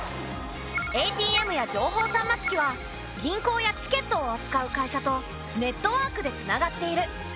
ＡＴＭや情報端末機は銀行やチケットをあつかう会社とネットワークでつながっている。